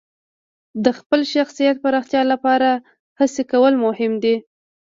د خپل شخصیت پراختیا لپاره هڅې کول مهم دي.